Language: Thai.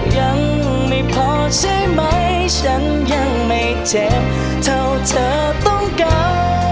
ยังไม่พอใช่ไหมฉันยังไม่เจ็บเท่าเธอต้องการ